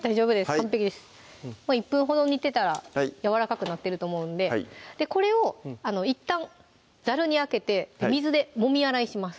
完璧です１分ほど煮てたらやわらかくなってると思うんでこれをいったんざるにあけて水でもみ洗いします